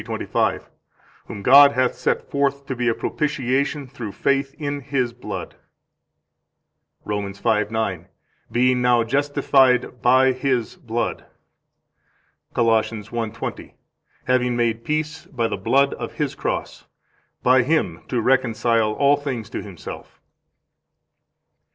3:25: Whom God hath set forth to be a propitiation through faith in His blood. 145 Rom. 5:9: Being now justified by His blood. 146 Col. 1:20: Having made peace by the blood of His cross, by Him to reconcile all things to Himself.